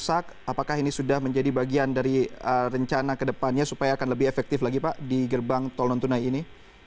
apakah ini sudah menjadi bagian dari rencana ke depannya supaya akan lebih efektif lagi pak di gerbang tol non tunai ini